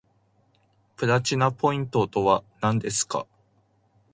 プラチナポイントとはなんですか